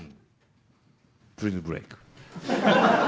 プリズンブレイク。